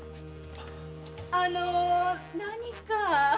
あの何か？